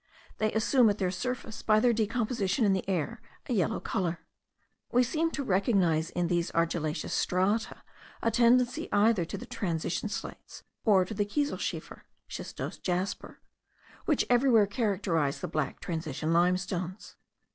They assume at their surface, by their decomposition in the air, a yellow colour. We seem to recognize in these argillaceous strata a tendency either to the transition slates, or to the kieselschiefer (schistose jasper), which everywhere characterise the black transition limestones.